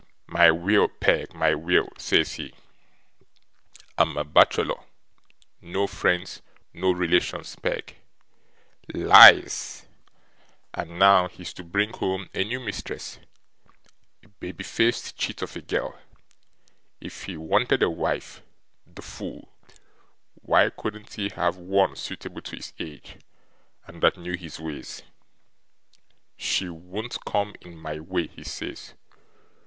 "My will, Peg! my will!" says he: "I'm a bachelor no friends no relations, Peg." Lies! And now he's to bring home a new mistress, a baby faced chit of a girl! If he wanted a wife, the fool, why couldn't he have one suitable to his age, and that knew his ways? She won't come in MY way, he says.